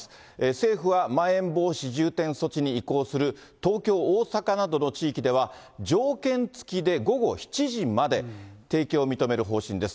政府はまん延防止重点措置に移行する東京、大阪などの地域では、条件付きで午後７時まで提供を認める方針です。